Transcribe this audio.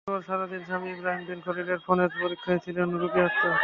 শুক্রবার সারা দিন স্বামী ইব্রাহিম বিন খলিলের ফোনের প্রতীক্ষায় ছিলেন রুবি আক্তার।